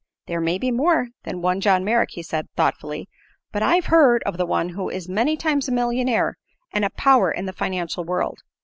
"There may be more than one John Merrick," he said, thoughtfully. "But I've heard of one who is many times a millionaire and a power in the financial world.